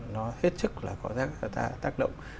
nó hết sức là có tác động